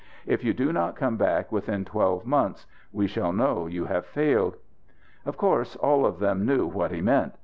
If you do not come back within twelve months we shall know you have failed." Of course all of them knew what he meant.